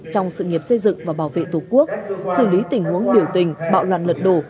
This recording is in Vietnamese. trong sự nghiệp xây dựng và bảo vệ tổ quốc xử lý tình huống biểu tình bạo loạn lật đổ